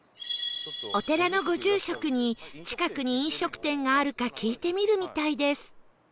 お寺のご住職に近くに飲食店があるか聞いてみるみたいです